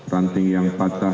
ranting yang patah